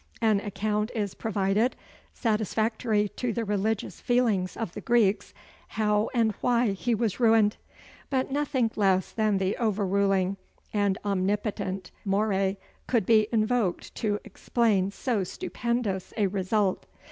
An account is provided, satisfactory to the religious feelings of the Greeks, how and why he was ruined but nothing less than the overruling and omnipotent Moeræ could be invoked to explain so stupendous a result.